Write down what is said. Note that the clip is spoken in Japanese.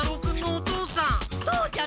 父ちゃん！